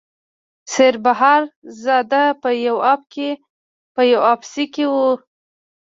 سیر بهادر زاده په یو اف سي کې و.